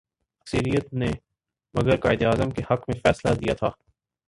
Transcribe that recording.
اکثریت نے مگر قائد اعظم کے حق میں فیصلہ دیا تھا۔